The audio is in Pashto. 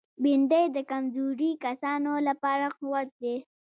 بېنډۍ د کمزوري کسانو لپاره قوت ده